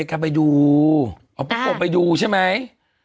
เอาปุ๊กโกไปดูใช่ไหม